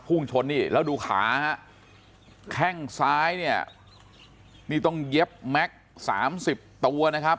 ชนนี่แล้วดูขาฮะแข้งซ้ายเนี่ยนี่ต้องเย็บแม็กซ์สามสิบตัวนะครับ